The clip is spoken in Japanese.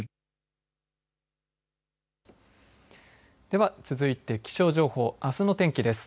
では、続いて気象情報あすの天気です。